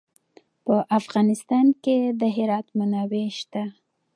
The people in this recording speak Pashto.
په افغانستان کې د هرات منابع شته.